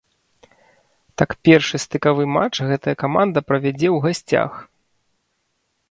Так першы стыкавы матч гэтая каманда правядзе ў гасцях.